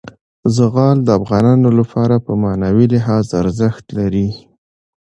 زغال د افغانانو لپاره په معنوي لحاظ ارزښت لري.